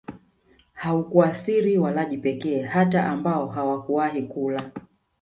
haukuathiri walaji pekee hata ambao hawakuwahi kula